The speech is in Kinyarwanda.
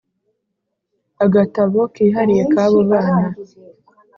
agatabo kihariye kabo bana